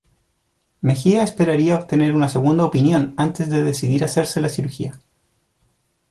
Mejía esperaría obtener una segunda opinión antes de decidir hacerse la cirugía.